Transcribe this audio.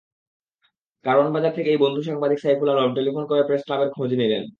কারওয়ান বাজার থেকেই বন্ধু সাংবাদিক সাইফুল আলম টেলিফোন করে প্রেসক্লাবের খোঁজ নিলেন।